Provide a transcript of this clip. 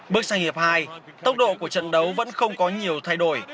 bước sang hiệp hai tốc độ của trận đấu vẫn không có nhiều thay đổi